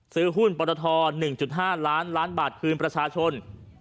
ซื้อหุ้นปรท๑๕ล้านล้านบาทคืนประชาชน